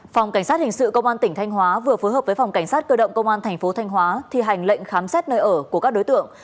phòng cảnh sát hình sự công an tỉnh thanh hóa vừa phối hợp với phòng cảnh sát cơ động công an thành phố thanh hóa thi hành lệnh khám xét nơi ở của các đối tượng